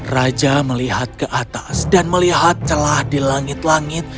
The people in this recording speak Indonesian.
raja melihat ke atas dan melihat celah di langit langit